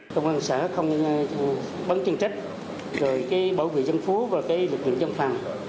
công an xã không bắn chuyên trách rồi cái bảo vệ dân phú và cái lực lượng dân phạm